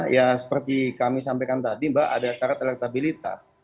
ya seperti kami sampaikan tadi mbak ada syarat elektabilitas